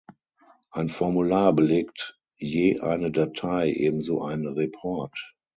Ein Formular belegt je eine Datei, ebenso ein Report.